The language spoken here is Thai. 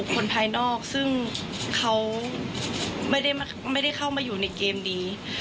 คนภายนอกซึ่งเขาไม่ได้เข้ามาอยู่ในเกมนี้